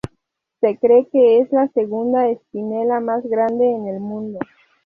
Se cree que es la segunda espinela más grande en el mundo.